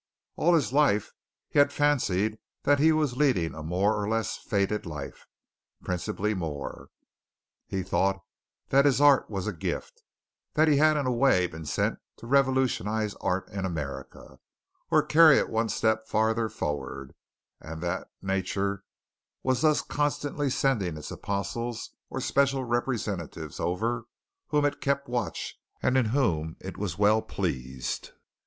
All his life he had fancied that he was leading a more or less fated life, principally more. He thought that his art was a gift, that he had in a way been sent to revolutionize art in America, or carry it one step farther forward and that nature was thus constantly sending its apostles or special representatives over whom it kept watch and in whom it was well pleased.